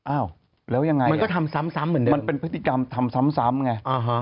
อ้าวแล้วยังไงมันก็ทำซ้ำเหมือนเดิมมันเป็นพฤติกรรมทำซ้ำไง